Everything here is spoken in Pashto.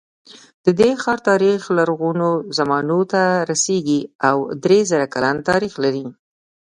د دې ښار تاریخ لرغونو زمانو ته رسېږي او درې زره کلن تاریخ لري.